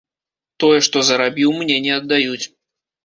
Тое, што зарабіў, мне не аддаюць.